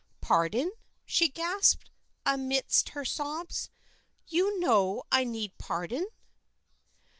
"Pardon?" she gasped, amidst her sobs; "you know I need pardon?"